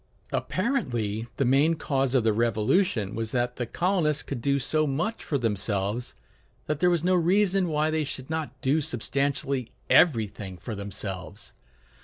Apparently the main cause of the Revolution was that the colonists could do so much for themselves that there was no reason why they should not do substantially everything for themselves.